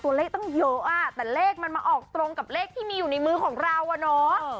ตัวเลขตั้งเยอะอ่ะแต่เลขมันมาออกตรงกับเลขที่มีอยู่ในมือของเราอะเนาะ